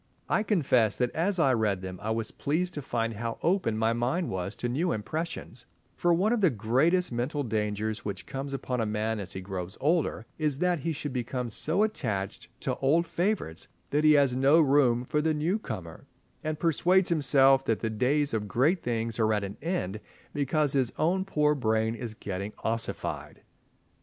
I confess that as I read them I was pleased to find how open my mind was to new impressions, for one of the greatest mental dangers which comes upon a man as he grows older is that he should become so attached to old favourites that he has no room for the new comer, and persuades himself that the days of great things are at an end because his own poor brain is getting ossified.